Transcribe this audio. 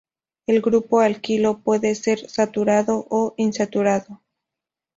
El grupo alquilo puede ser saturado o insaturado.